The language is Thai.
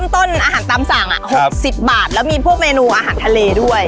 ต้นอาหารตามสั่ง๖๐บาทแล้วมีพวกเมนูอาหารทะเลด้วย